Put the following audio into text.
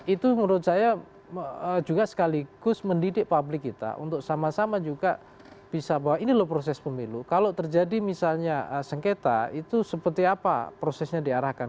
itu menurut saya juga sekaligus mendidik publik kita untuk sama sama juga bisa bahwa ini loh proses pemilu kalau terjadi misalnya sengketa itu seperti apa prosesnya diarahkan